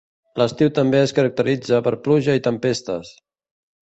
L'estiu també es caracteritza per pluja i tempestes.